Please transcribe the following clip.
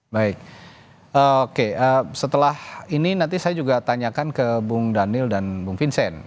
baik oke setelah ini nanti saya juga tanyakan ke bung daniel dan bung vincent